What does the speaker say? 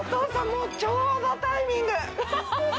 もうちょうどタイミング。